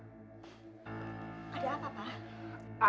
ada apa pak